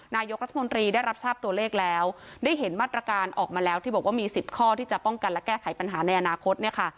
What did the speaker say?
นายกรัฐมนตรีได้รับทราบตัวเลขแล้วได้เห็นมาตรการออกมาแล้วที่บอกว่ามี๑๐ข้อที่จะป้องกันและแก้ไขปัญหาในอนาคตเนี่ยค่ะ